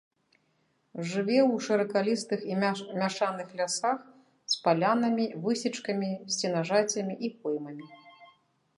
Жыве ў шыракалістых і мяшаных лясах з палянамі, высечкамі, сенажацямі і поймамі.